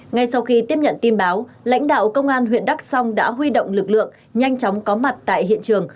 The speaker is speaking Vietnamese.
ngay sau khi tiếp nhận tin báo lãnh đạo công an huyện đắk song đã huy động lực lượng nhanh chóng có mặt tại hiện trường